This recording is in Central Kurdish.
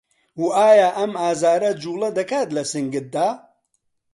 و ئایا ئەم ئازاره جووڵه دەکات لە سنگتدا؟